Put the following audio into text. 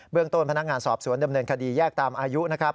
ต้นพนักงานสอบสวนดำเนินคดีแยกตามอายุนะครับ